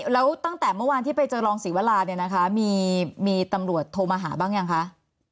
แล้วตั้งแต่เมื่อวานที่ไปเจอรองศรีวราเนี่ยนะคะมีตำรวจโทรมาหาบ้างยังคะ